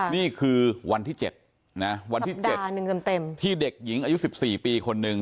นี่คือวันที่๗นะวันที่๗ที่เด็กหญิงอายุ๑๔ปีคนนึง